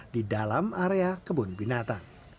di dalam area kebun binata